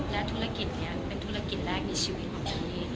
และธุรกิจนี้เป็นธุรกิจแรกในชีวิตของพี่